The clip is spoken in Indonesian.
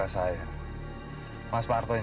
saya bisa berhenti disini